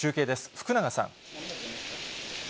福永さん。